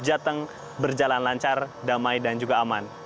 jateng berjalan lancar damai dan juga aman